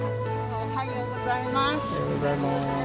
おはようございます。